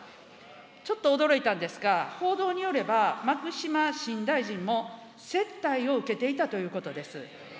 ちょっと驚いたんですが、報道によれば、牧島新大臣も接待を受けていたということです。